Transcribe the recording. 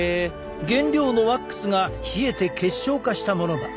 原料のワックスが冷えて結晶化したものだ。